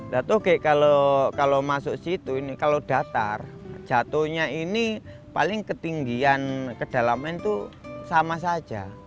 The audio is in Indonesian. nah toge kalau masuk situ ini kalau datar jatuhnya ini paling ketinggian kedalaman itu sama saja